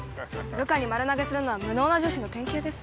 部下に丸投げするのは無能な上司の典型です。